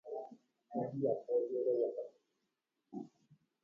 Hembiapo jeroguata.